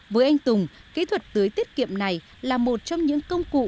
với anh tùng kỹ thuật tưới tiết kiệm này là một trong những công cụ